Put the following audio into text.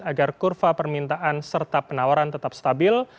agar kurva permintaan serta penawaran tetap stabil